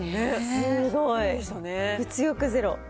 すごい。物欲ゼロ。